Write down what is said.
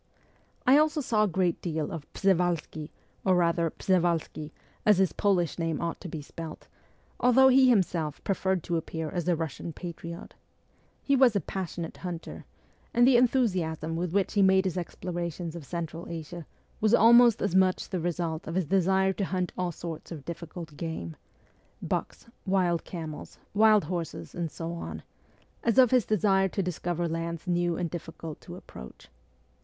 I also saw a great deal of Prjevalsky, or rather Przewalski, as his Polish name ought to be spelt, although he himself preferred to appear as a ' Bussian patriot.' He was a passionate hunter, and the enthusiasm with which he made his explorations of Central Asia was almost as much the result of his desire to hunt all sorts of difficult game bucks, wild camels, wild horses, and so on as of his desire to discover lands new and difficult to approach.